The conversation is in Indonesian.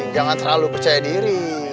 jangan terlalu percaya diri